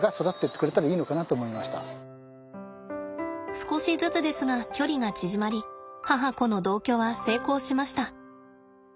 少しずつですが距離が縮まり母子の同居は成功しました。